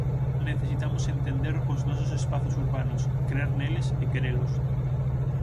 Necesitamos entender os nosos espazos urbanos, crer neles e querelos.